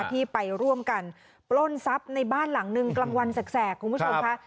ที่ไปร่วมกันปล้นทรัพย์ในบ้านหลังหนึ่งกลางวันแสกคุณผู้ชมค่ะ